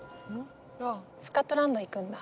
スカトランド行くんだ。